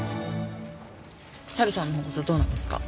猿さんの方こそどうなんですか？